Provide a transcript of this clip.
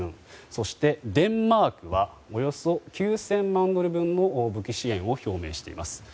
そしてデンマークはおよそ９０００万ドル分の武器支援を表明しています。